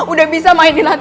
udah bisa mainin hati aku